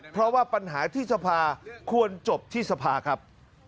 เพราะว่าปัญหาที่สภาควรจบที่สภาครับ